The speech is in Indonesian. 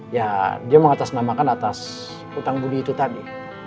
ya dia mengatasnamakan atas utang budi itu tadi